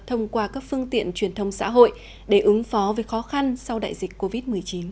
thông qua các phương tiện truyền thông xã hội để ứng phó với khó khăn sau đại dịch covid một mươi chín